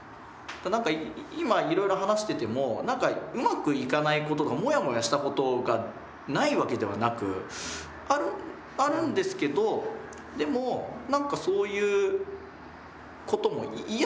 今いろいろ話しててもうまくいかないことがモヤモヤしたことがないわけではなくあるんですけどでも何かそういうことも嫌とかそのいう感情では。